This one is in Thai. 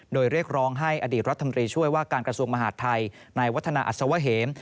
โดยเรียกร้องให้อดีตรัฐมนตรีช่วยว่าการกระทรวงมหาดไทยในวัฒนาอัศวะเหม